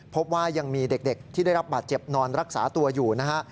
พบว่ายังมีเด็กที่ได้รับบาดเจ็บนอนรักษาตัวอยู่นะฮะ